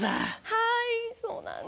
はいそうなんです。